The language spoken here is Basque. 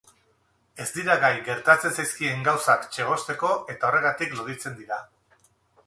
Ez dira gai gertatzen zaizkien gauzak txegosteko eta horregatik loditzen dira.